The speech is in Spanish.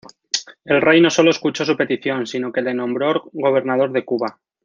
El rey no solo escuchó su petición, sino que le nombró gobernador de Cuba.